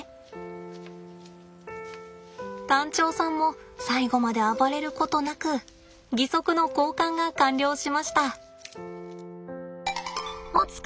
タンチョウさんも最後まで暴れることなく義足の交換が完了しました。